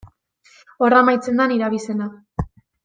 Hor amaitzen da nire abizena.